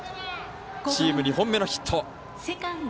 チーム２本目のヒット。